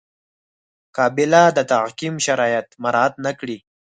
قابله د تعقیم شرایط مراعات نه کړي.